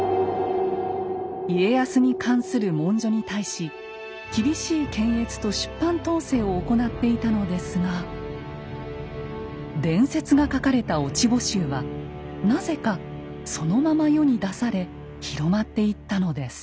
家康に関する文書に対し厳しい検閲と出版統制を行っていたのですが伝説が書かれた「落穂集」はなぜかそのまま世に出され広まっていったのです。